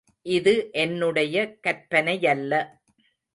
இது என்னுடைய கற்பனையல்ல.